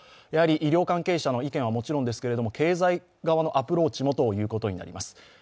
やはり医療関係者の意見はもちろんですけれども経済側のアプローチもということになります。